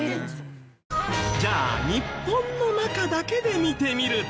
じゃあ日本の中だけで見てみると。